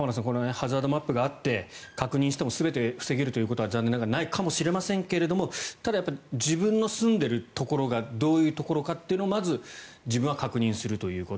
ハザードマップがあって確認しても全て防げるということは残念ながらないかもしれませんがただ、自分の住んでいるところがどういうところかというのをまず自分は確認するということ